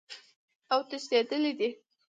اوتښتیدلی دي